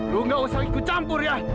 lu gak usah ikut campur ya